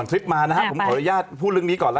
ลองดูนะฮะ